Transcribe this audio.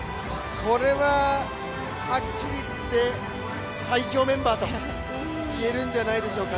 これははっきり言って、最強メンバーと言えるんじゃないでしょうか。